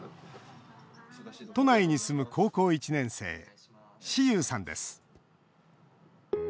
都内に住む高校１年生士悠さんです。